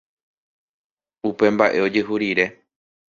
upe mba'e ojehu rire